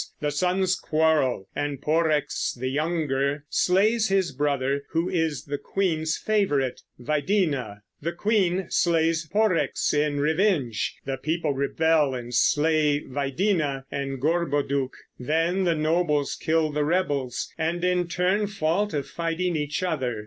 The sons quarrel, and Porrex, the younger, slays his brother, who is the queen's favorite. Videna, the queen, slays Porrex in revenge; the people rebel and slay Videna and Gorboduc; then the nobles kill the rebels, and in turn fall to fighting each other.